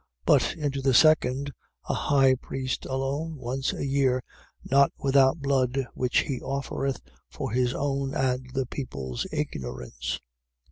9:7. But into the second, the high priest alone, once a year: not without blood, which he offereth for his own and the people's ignorance: 9:8.